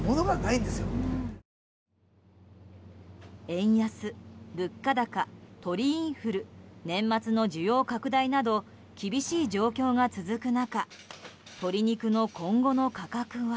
円安、物価高、鳥インフル年末の需要拡大など厳しい状況が続く中鶏肉の今後の価格は？